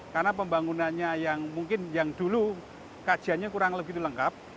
karena pembangunannya yang mungkin yang dulu kajiannya kurang lebih lengkap